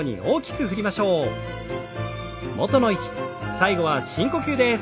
最後は深呼吸です。